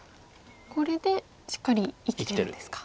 これでしっかり生きてるんですか。